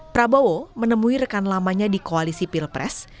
prabowo menemui rekan lamanya di koalisi pilpres